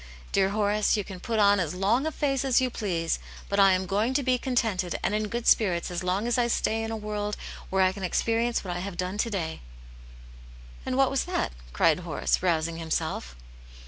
Dear Horace, you can put on as long a face as you please, but I am going to be contented and in good spirits as long as I stay in a world where I can experience what I have done to day." "And what was that?" cried Horace, rousing himself.